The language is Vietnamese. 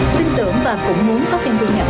tin tưởng và cũng muốn có kênh thu nhập